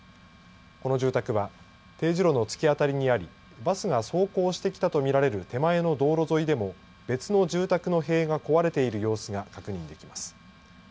この住宅はＴ字路の突き当たりにありバスが走行してきたと見られる手前の道路沿いでも別の住宅の塀が壊れている様子が確認できます。